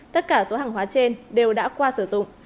tất cả số hàng hóa trên đều đã qua sử dụng